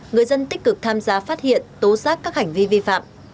người dân tích cực tham gia phát hiện tố giác các hành vi vi phạm